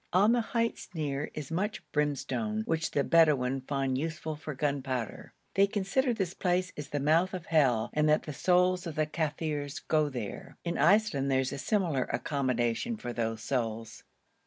On the heights near is much brimstone, which the Bedouin find useful for gunpowder. They consider this place is the mouth of hell and that the souls of Kafirs go there. In Iceland there is similar accommodation for those souls.